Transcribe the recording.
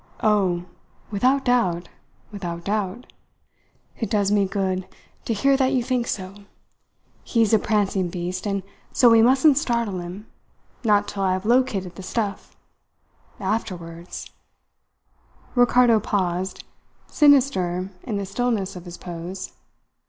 "Oh, without doubt! Without doubt!" "It does me good to hear that you think so. He's a prancing beast, and so we mustn't startle him not till I have located the stuff. Afterwards " Ricardo paused, sinister in the stillness of his pose.